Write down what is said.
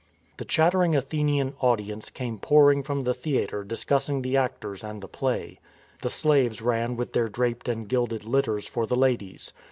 The chattering Athenian audience came pouring from the theatre discussing the actors and the play. The slaves ran with their draped and gilded litters for the ladies.